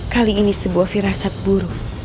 kali ini sebuah firasat buruk